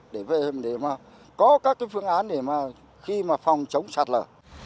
để có các cái phương án để mà khi mà phòng chống sạt lở